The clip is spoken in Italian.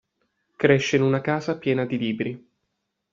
Cresce in una casa piena di libri.